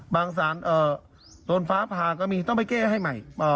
บางสารเอ่อโดนฟ้าพาก็มีต้องไปแก้ให้ใหม่เอ่อ